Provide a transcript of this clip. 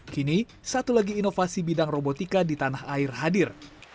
kini satu lagi inovasi bidang robotika di tanah air hadir